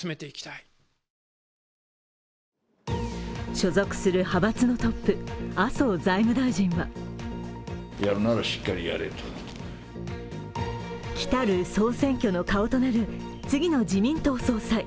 所属する派閥のトップ麻生財務大臣は来る総選挙の顔となる、次の自民党総裁。